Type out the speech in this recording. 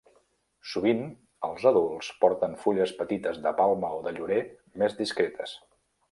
Sovint els adults porten fulles petites de palma o de llorer més discretes.